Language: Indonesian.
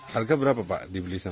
harga berapa pak dibeli